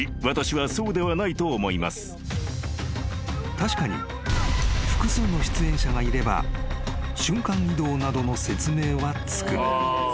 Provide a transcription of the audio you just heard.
［確かに複数の出演者がいれば瞬間移動などの説明はつく］